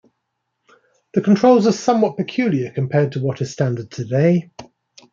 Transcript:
The controls are somewhat peculiar compared to what is standard today.